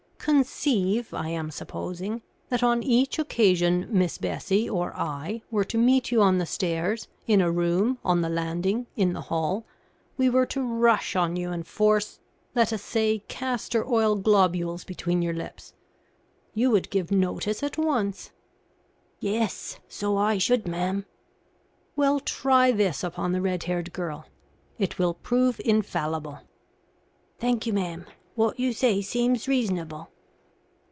Conceive, I am supposing, that on each occasion Miss Bessie, or I, were to meet you on the stairs, in a room, on the landing, in the hall, we were to rush on you and force, let us say, castor oil globules between your lips. You would give notice at once." "Yes; so I should, ma'am." "Well, try this upon the red haired girl. It will prove infallible." "Thank you, ma'am; what you say seems reasonable."